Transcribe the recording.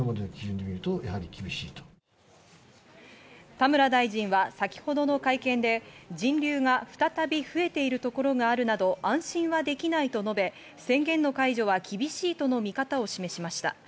田村大臣は先ほどの会見で、人流が再び増えているところがあるなど安心はできないと述べ、宣言の解除は厳しいとの見方を示しました。